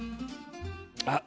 あっ。